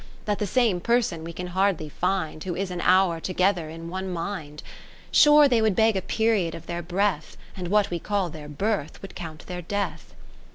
That the same person we can hardly find, Who is an hour together in one mind : 20 Sure they would beg a period of their breath, And what we call their birth would count their death.